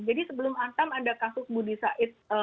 jadi sebelum antam ada kasus budi said